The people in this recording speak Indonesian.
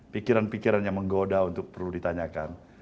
pikiran pikiran yang menggoda untuk perlu ditanyakan